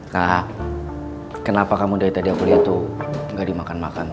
kak kenapa kamu dari tadi aku kuliah tuh gak dimakan makan